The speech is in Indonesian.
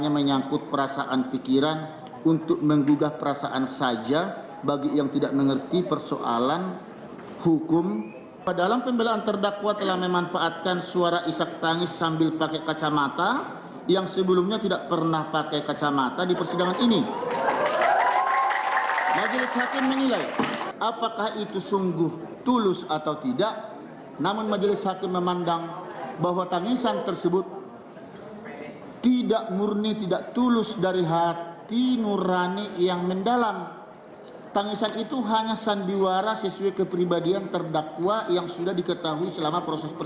pembacaan peledoi tersebut tidak sedikit pun terdakwa meneteskan air mata dan ingus pun dari hidung tidak ada yang menetes hingga ke mulut